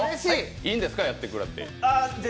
いいんですか、やってもらって？